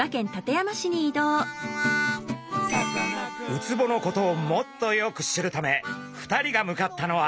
ウツボのことをもっとよく知るため２人が向かったのは。